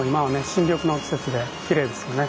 新緑の季節できれいですよね。